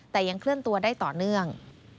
แต่ยังเคลื่อนตัวได้ต่อเนื่อง